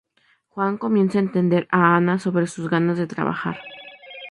Juan comienza a entender a Ana sobre sus ganas de trabajar.